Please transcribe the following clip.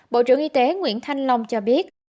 bộ trưởng y tế nguyễn thanh long cho biết